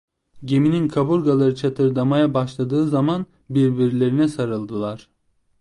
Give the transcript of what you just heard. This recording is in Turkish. Geminin kaburgaları çatırdamaya başladığı zaman, birbirlerine sarıldılar.